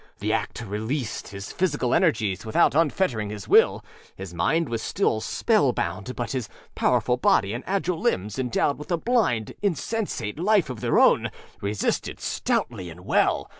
The act released his physical energies without unfettering his will; his mind was still spellbound, but his powerful body and agile limbs, endowed with a blind, insensate life of their own, resisted stoutly and well.